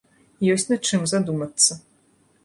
Ёсць над чым задумацца.